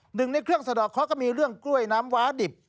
หนึ่งในเครื่องสะดอกเคาะก็มีเรื่องกล้วยน้ำว้าดิบ